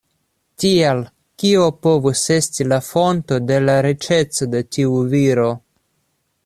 Tial, kio povus esti la fonto de la riĉeco de tiu viro?